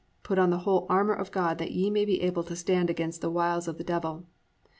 (11) Put on the whole armour of God, that ye may be able to stand against the wiles of the devil."